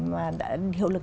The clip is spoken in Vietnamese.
mà đã hiệu lực